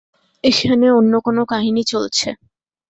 এখানে অন্যকোনো কাহিনী চলছে।